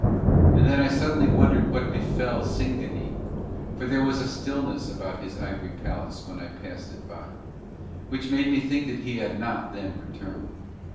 And then I suddenly wondered what befell Singanee, for there was a stillness about his ivory palace when I passed it by, which made me think that he had not then returned.